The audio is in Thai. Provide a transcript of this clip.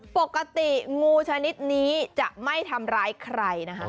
ปกติงูชนิดนี้จะไม่ทำร้ายใครนะคะ